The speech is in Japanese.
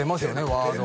ワード